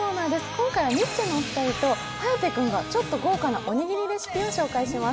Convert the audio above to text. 今回はニッチェのお二人と颯君がちょっと豪華なおにぎりレシピを紹介します。